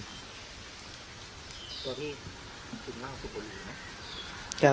ตัวนี้คือบ้านของคนอยู่ไหม